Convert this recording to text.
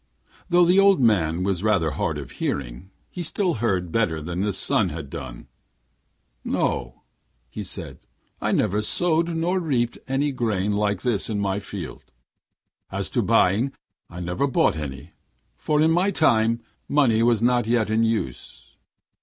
Though the old man was rather hard of hearing, he still heard better than his son had done. 'No,' he said, 'I never sowed nor reaped any grain like this in my field. As to buying, I never bought any, for in my time money was not yet in use.